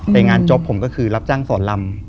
แต่งานจอฟต์ผมก็คือรับจ้างสอนลำ